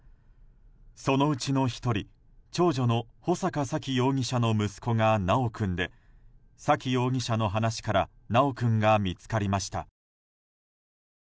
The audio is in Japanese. そのうちの１人長女の穂坂沙喜容疑者の息子が修君で沙喜容疑者の話から修君が見つかりました。